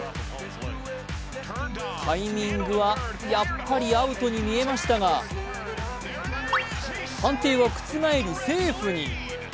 タイミングはやっぱりアウトに見えましたが判定は覆りセーフに。